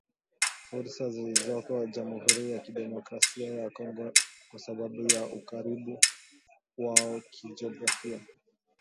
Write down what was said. fursa zilizoko jamuhuri ya kidemokrasia ya Kongo kwa sababu ya ukaribu wao kijografia